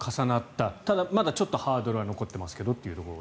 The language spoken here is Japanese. ただ、まだちょっとハードルは残っていますがというところ。